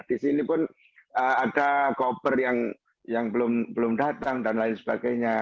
di sini pun ada koper yang belum datang dan lain sebagainya